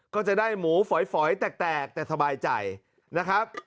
ก็จะได้หมูฝอยแตกแต่สบายใจนะครับ